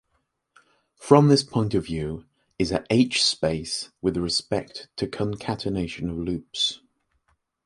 From this point of view, is a "H"-space with respect to concatenation of loops.